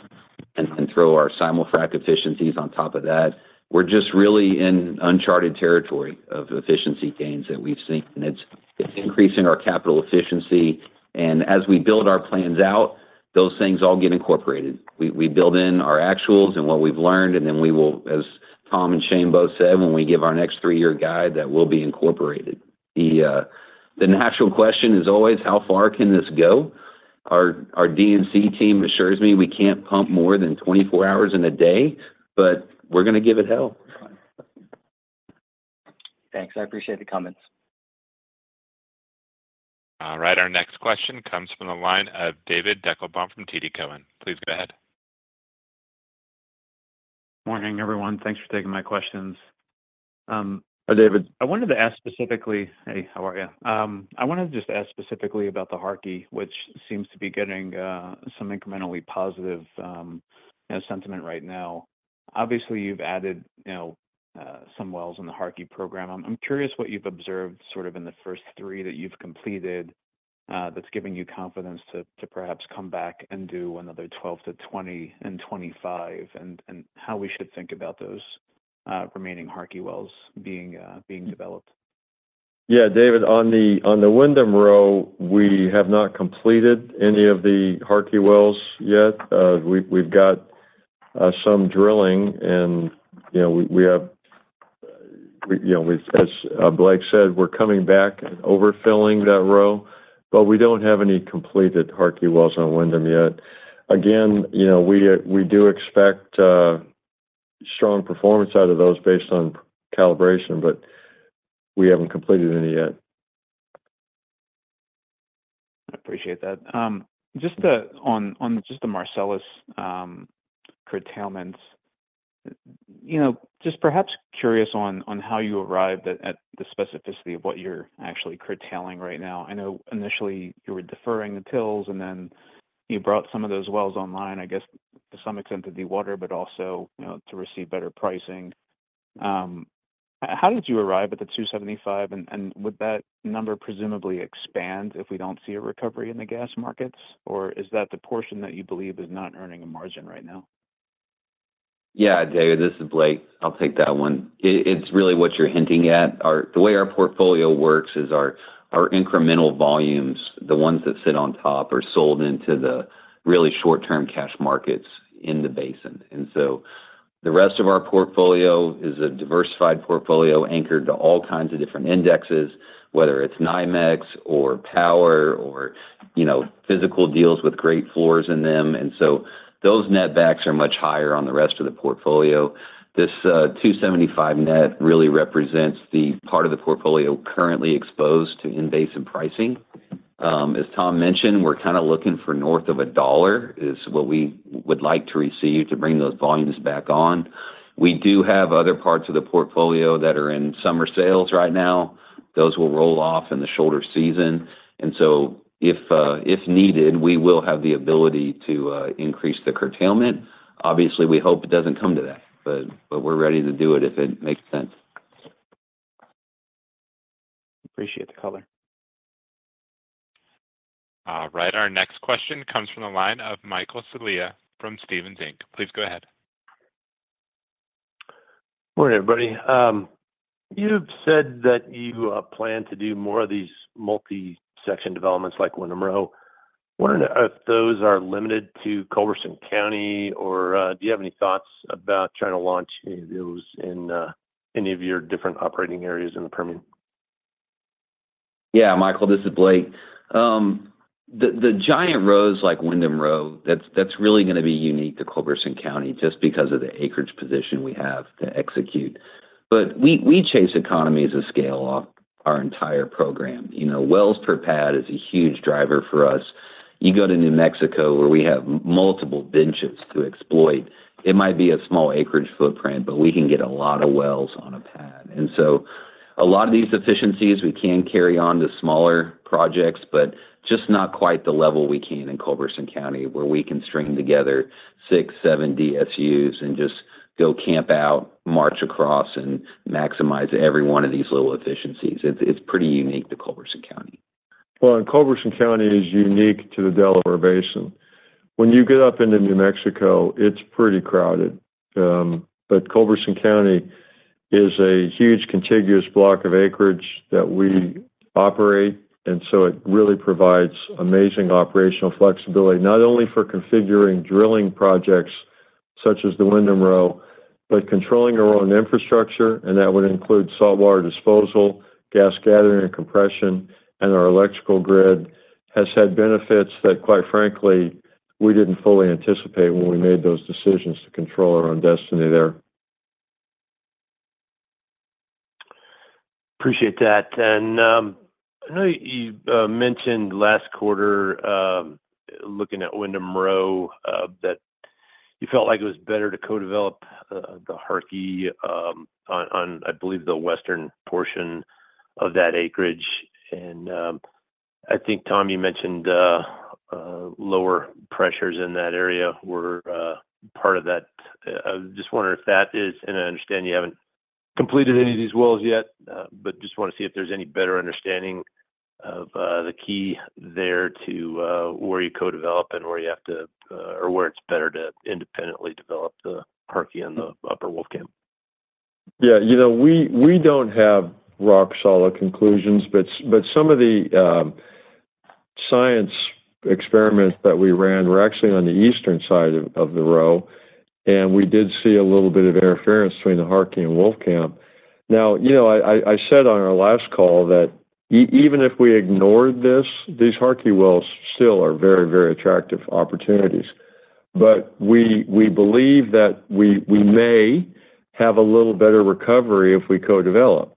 and then throw our simul-frac efficiencies on top of that, we're just really in uncharted territory of efficiency gains that we've seen, and it's, it's increasing our capital efficiency. And as we build our plans out, those things all get incorporated. We, we build in our actuals and what we've learned, and then we will, as Tom and Shane both said, when we give our next three-year guide, that will be incorporated. The, the natural question is always: How far can this go? Our, our D&C team assures me we can't pump more than 24 hours in a day, but we're gonna give it hell. Thanks. I appreciate the comments. All right, our next question comes from the line of David Deckelbaum from TD Cowen. Please go ahead. Morning, everyone. Thanks for taking my questions. Hi, David. I wanted to ask specifically-- Hey, how are you? I wanted to just ask specifically about the Harkey, which seems to be getting some incrementally positive sentiment right now. Obviously, you've added, you know, some wells in the Harkey program. I'm, I'm curious what you've observed sort of in the first 3 that you've completed, that's giving you confidence to perhaps come back and do another 12-20 in 2025, and how we should think about those remaining Harkey wells being developed. Yeah, David, on the Windham Row, we have not completed any of the Harkey wells yet. We've got some drilling, and, you know, we have. You know, we've—as Blake said, we're coming back and overfilling that row, but we don't have any completed Harkey wells on Windham yet. Again, you know, we do expect strong performance out of those based on calibration, but we haven't completed any yet.... I appreciate that. Just, on, on just the Marcellus, curtailments, you know, just perhaps curious on, on how you arrived at, at the specificity of what you're actually curtailing right now. I know initially you were deferring the TILs, and then you brought some of those wells online, I guess, to some extent, to the water, but also, you know, to receive better pricing. How did you arrive at the 275, and, and would that number presumably expand if we don't see a recovery in the gas markets? Or is that the portion that you believe is not earning a margin right now? Yeah, David, this is Blake. I'll take that one. It's really what you're hinting at. The way our portfolio works is our, our incremental volumes, the ones that sit on top, are sold into the really short-term cash markets in the basin. And so the rest of our portfolio is a diversified portfolio anchored to all kinds of different indexes, whether it's NYMEX or power or, you know, physical deals with great floors in them. And so those netbacks are much higher on the rest of the portfolio. This $2.75 net really represents the part of the portfolio currently exposed to in-basin pricing. As Tom mentioned, we're kinda looking for north of $1, is what we would like to receive to bring those volumes back on. We do have other parts of the portfolio that are in summer sales right now. Those will roll off in the shoulder season. And so if needed, we will have the ability to increase the curtailment. Obviously, we hope it doesn't come to that, but we're ready to do it if it makes sense. Appreciate the color. Right. Our next question comes from the line of Michael Scialla from Stephens Inc. Please go ahead. Morning, everybody. You've said that you plan to do more of these multi-section developments like Windham Row. Wondering if those are limited to Culberson County, or do you have any thoughts about trying to launch any of those in any of your different operating areas in the Permian? Yeah, Michael, this is Blake. The giant rows like Windham Row, that's really gonna be unique to Culberson County, just because of the acreage position we have to execute. But we chase economies of scale off our entire program. You know, wells per pad is a huge driver for us. You go to New Mexico, where we have multiple benches to exploit, it might be a small acreage footprint, but we can get a lot of wells on a pad. And so a lot of these efficiencies we can carry on to smaller projects, but just not quite the level we can in Culberson County, where we can string together 6-7 DSUs and just go camp out, march across, and maximize every one of these little efficiencies. It's pretty unique to Culberson County. Well, and Culberson County is unique to the Delaware Basin. When you get up into New Mexico, it's pretty crowded. But Culberson County is a huge contiguous block of acreage that we operate, and so it really provides amazing operational flexibility, not only for configuring drilling projects such as the Windham Row, but controlling our own infrastructure, and that would include saltwater disposal, gas gathering and compression, and our electrical grid, has had benefits that, quite frankly, we didn't fully anticipate when we made those decisions to control our own destiny there. Appreciate that. And, I know you mentioned last quarter, looking at Windham Row, that you felt like it was better to co-develop the Harkey on, on, I believe, the western portion of that acreage. And, I think, Tom, you mentioned lower pressures in that area were part of that. I was just wondering if that is... And I understand you haven't completed any of these wells yet, but just wanna see if there's any better understanding of the key there to where you co-develop and where you have to or where it's better to independently develop the Harkey and the Upper Wolfcamp. Yeah. You know, we don't have rock-solid conclusions, but some of the science experiments that we ran were actually on the eastern side of the Row, and we did see a little bit of interference between the Harkey and Wolfcamp. Now, you know, I said on our last call that even if we ignored this, these Harkey wells still are very, very attractive opportunities. But we believe that we may have a little better recovery if we co-develop.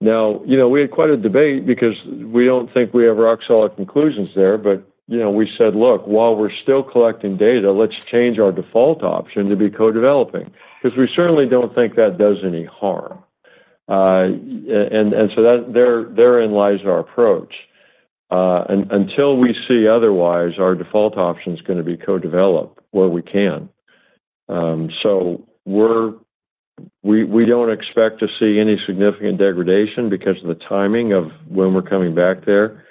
Now, you know, we had quite a debate because we don't think we have rock-solid conclusions there, but, you know, we said, "Look, while we're still collecting data, let's change our default option to be co-developing, 'cause we certainly don't think that does any harm." And so that, therein lies our approach. Until we see otherwise, our default option is gonna be co-develop where we can. So we don't expect to see any significant degradation because of the timing of when we're coming back there,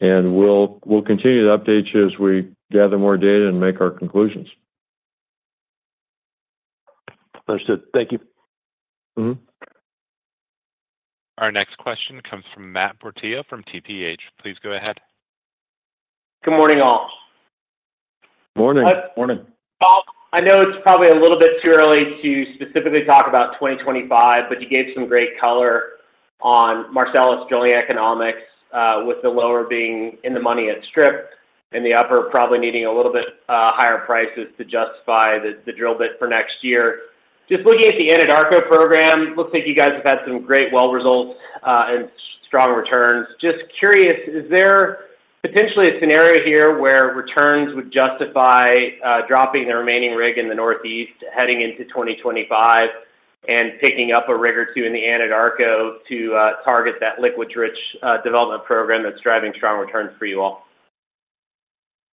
and we'll continue to update you as we gather more data and make our conclusions. Understood. Thank you. Mm-hmm. Our next question comes from Matt Portillo from TPH. Please go ahead. Good morning, all. Morning. Morning. I know it's probably a little bit too early to specifically talk about 2025, but you gave some great color on Marcellus drilling economics, with the lower being in the money at strip, and the upper probably needing a little bit higher prices to justify the drill bit for next year. Just looking at the Anadarko program, looks like you guys have had some great well results and strong returns. Just curious, is there potentially a scenario here where returns would justify dropping the remaining rig in the Northeast heading into 2025, and picking up a rig or two in the Anadarko to target that liquids-rich development program that's driving strong returns for you all?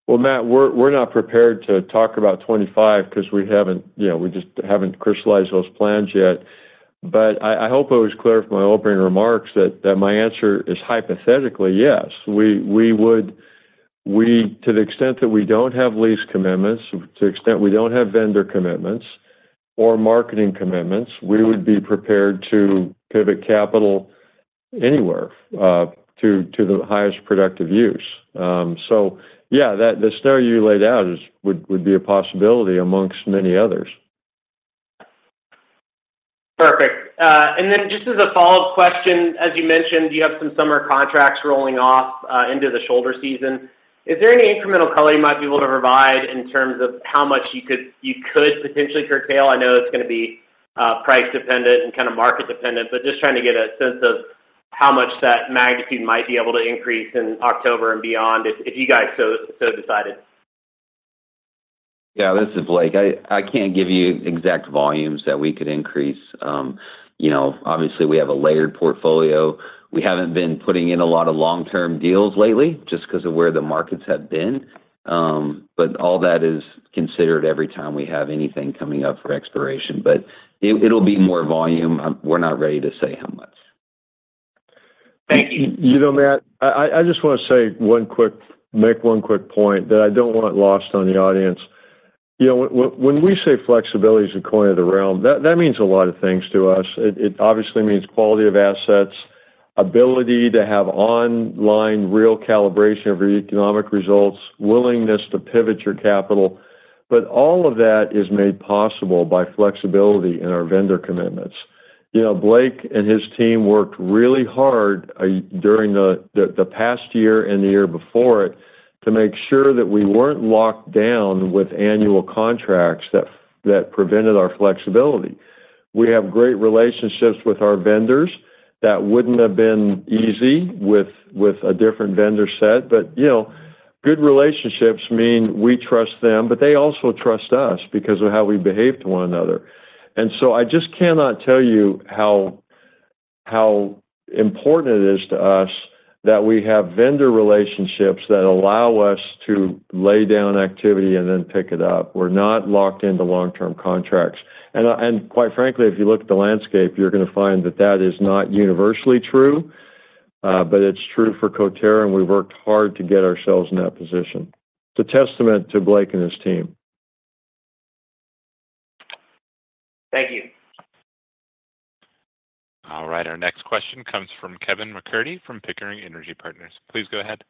Well, Matt, we're not prepared to talk about 25 because we haven't, you know, we just haven't crystallized those plans yet. But I hope I was clear from my opening remarks that my answer is hypothetically yes. We would, to the extent that we don't have lease commitments, to the extent we don't have vendor commitments or marketing commitments, we would be prepared to pivot capital anywhere to the highest productive use. So yeah, that the scenario you laid out would be a possibility among many others. Perfect. And then just as a follow-up question, as you mentioned, you have some summer contracts rolling off into the shoulder season. Is there any incremental color you might be able to provide in terms of how much you could potentially curtail? I know it's gonna be price dependent and kind of market dependent, but just trying to get a sense of how much that magnitude might be able to increase in October and beyond, if you guys so decided. Yeah, this is Blake. I can't give you exact volumes that we could increase. You know, obviously, we have a layered portfolio. We haven't been putting in a lot of long-term deals lately, just because of where the markets have been. But all that is considered every time we have anything coming up for expiration. But it, it'll be more volume. We're not ready to say how much. Thank you. You know, Matt, I just wanna make one quick point that I don't want lost on the audience. You know, when we say flexibility is the coin of the realm, that means a lot of things to us. It obviously means quality of assets, ability to have online real calibration of your economic results, willingness to pivot your capital. But all of that is made possible by flexibility in our vendor commitments. You know, Blake and his team worked really hard during the past year and the year before it, to make sure that we weren't locked down with annual contracts that prevented our flexibility. We have great relationships with our vendors. That wouldn't have been easy with a different vendor set. But, you know, good relationships mean we trust them, but they also trust us because of how we behave to one another. And so I just cannot tell you how important it is to us that we have vendor relationships that allow us to lay down activity and then pick it up. We're not locked into long-term contracts. And, and quite frankly, if you look at the landscape, you're gonna find that that is not universally true, but it's true for Coterra, and we've worked hard to get ourselves in that position. It's a testament to Blake and his team. Thank you. All right, our next question comes from Kevin MacCurdy, from Pickering Energy Partners. Please go ahead.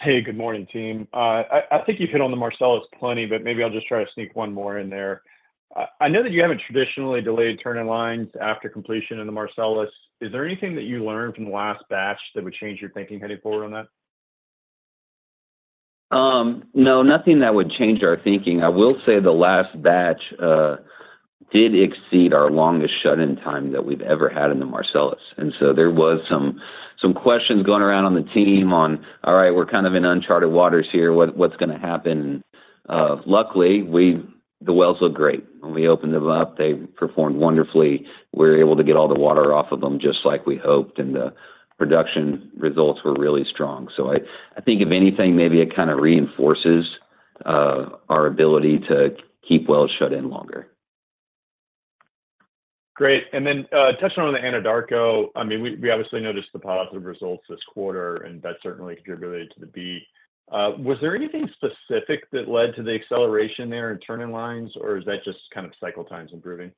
Hey, good morning, team. I think you've hit on the Marcellus plenty, but maybe I'll just try to sneak one more in there. I know that you haven't traditionally delayed turn-in-line after completion in the Marcellus. Is there anything that you learned from the last batch that would change your thinking heading forward on that? No, nothing that would change our thinking. I will say the last batch did exceed our longest shut-in time that we've ever had in the Marcellus, and so there was some questions going around on the team on, all right, we're kind of in uncharted waters here. What’s gonna happen? Luckily, the wells look great. When we opened them up, they performed wonderfully. We're able to get all the water off of them just like we hoped, and the production results were really strong. So I think if anything, maybe it kinda reinforces our ability to keep wells shut in longer. Great. And then, touching on the Anadarko, I mean, we obviously noticed the positive results this quarter, and that certainly contributed to the beat. Was there anything specific that led to the acceleration there in turn-in-lines, or is that just kind of cycle times improving?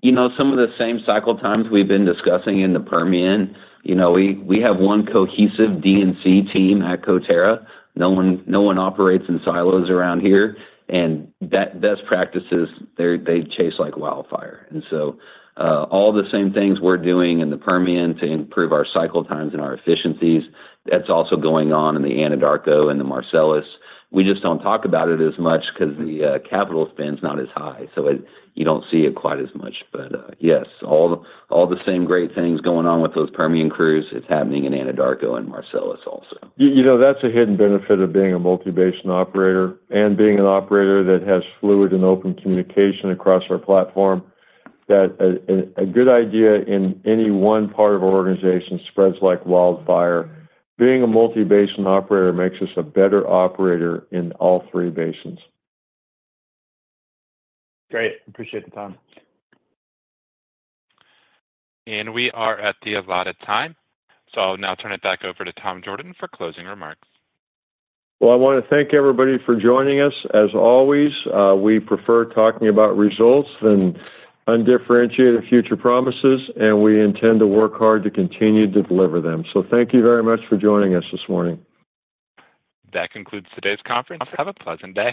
You know, some of the same cycle times we've been discussing in the Permian. You know, we have one cohesive D&C team at Coterra. No one operates in silos around here, and those best practices, they chase like wildfire. And so, all the same things we're doing in the Permian to improve our cycle times and our efficiencies, that's also going on in the Anadarko and the Marcellus. We just don't talk about it as much because the capital spend is not as high, so it, you don't see it quite as much. But, yes, all the same great things going on with those Permian crews, it's happening in Anadarko and Marcellus also. You know, that's a hidden benefit of being a multi-basin operator and being an operator that has fluid and open communication across our platform, that a good idea in any one part of our organization spreads like wildfire. Being a multi-basin operator makes us a better operator in all three basins. Great. Appreciate the time. We are at the allotted time, so I'll now turn it back over to Tom Jorden for closing remarks. Well, I wanna thank everybody for joining us. As always, we prefer talking about results than undifferentiated future promises, and we intend to work hard to continue to deliver them. So thank you very much for joining us this morning. That concludes today's conference. Have a pleasant day.